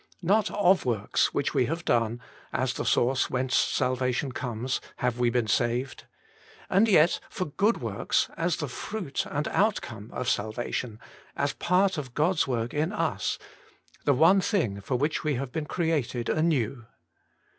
Not of works which we have done, as the source whence salvation comes, have we been saved. And yet for good works, as the fruit and outcome of salvation, as part of God's work in us, the one thing for which we have been created anew.